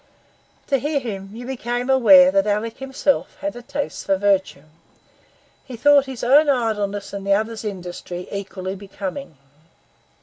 To hear him, you become aware that Alick himself had a taste for virtue. He thought his own idleness and the other's industry equally becoming.